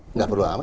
enggak perlu aman